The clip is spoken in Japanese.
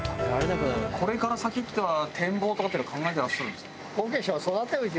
これから先っていうのは展望とかっていうのは考えてらっしゃるんですか？